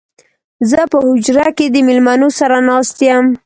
زه په حجره کې د مېلمنو سره ناست يم